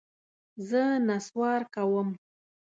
زه نسوار کوم.